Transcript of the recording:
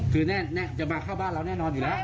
คือแน่จะมาเข้าบ้านเราแน่นอนอยู่แล้ว